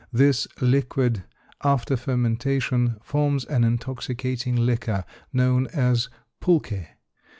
This liquid, after fermentation, forms an intoxicating liquor known as pulque.